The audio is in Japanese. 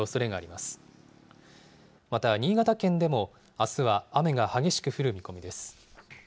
また、新潟県でもあすは雨が激しく降る見込みです。